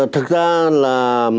thực ra là